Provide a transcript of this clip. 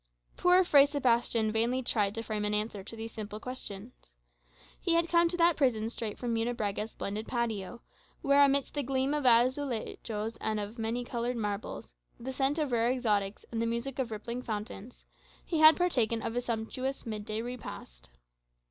Poor Fray Sebastian vainly tried to frame an answer to these simple questions. He had come to that prison straight from Munebrãga's splendid patio, where, amidst the gleam of azulejos and of many coloured marbles, the scent of rare exotics and the music of rippling fountains, he had partaken of a sumptuous mid day repast.